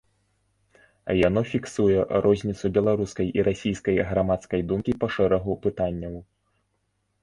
Яно фіксуе розніцу беларускай і расійскай грамадскай думкі па шэрагу пытанняў.